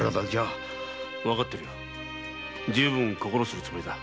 十分心するつもりだ。